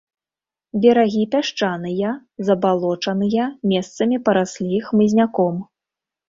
Берагі пясчаныя, забалочаныя, месцамі параслі хмызняком.